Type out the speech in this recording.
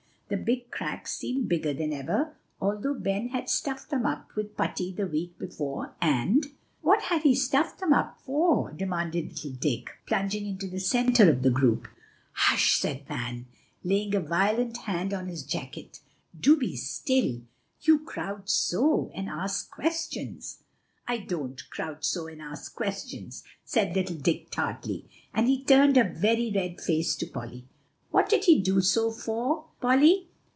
The big cracks seemed bigger than ever, although Ben had stuffed them up with putty the week before, and" "What had he stuffed them up for?" demanded little Dick, plunging into the centre of the group. "Hush!" said Van, laying a violent hand on his jacket, "do be still; you crowd so, and ask questions." "I don't 'crowd so and ask questions,'" said little Dick tartly; and he turned a very red face to Polly. "What did he do so for, Polly?"